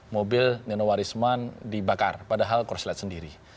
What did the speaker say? mobil nino warisman dibakar padahal kurslet sendiri